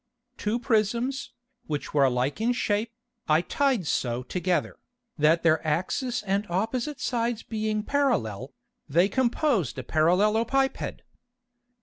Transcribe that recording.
Two Prisms, which were alike in Shape, I tied so together, that their Axis and opposite Sides being parallel, they composed a Parallelopiped.